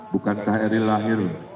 bukankah eril lahir